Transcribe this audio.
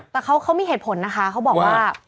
แต่เขามีเหตุผลนะคะเขาบอกว่า